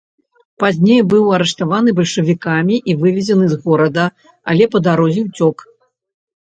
Пазней быў арыштаваны бальшавікамі і вывезены з горада, але па дарозе уцёк.